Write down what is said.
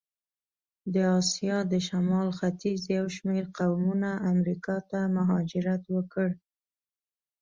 د آسیا د شمال ختیځ یو شمېر قومونه امریکا ته مهاجرت وکړ.